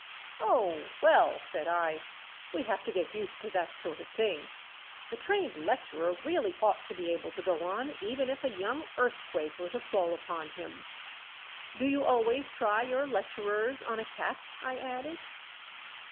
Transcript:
"Oh, well," said I, "we have to get used to that sort of thing. The trained lecturer really ought to be able to go on even if a young earthquake were to fall upon him. Do you always try your lecturers on a cat?" I added.